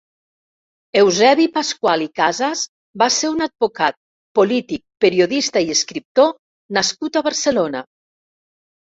Eusebi Pascual i Casas va ser un advocat, polític, periodista i escriptor nascut a Barcelona.